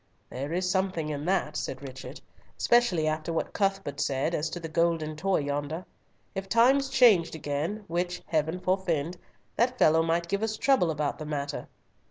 "There is something in that," said Richard, "specially after what Cuthbert said as to the golden toy yonder. If times changed again—which Heaven forfend—that fellow might give us trouble about the matter."